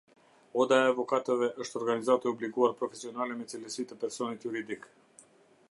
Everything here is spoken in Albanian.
Oda e Avokatëve është organizatë e obliguar profesionale me cilësi të personit juridik.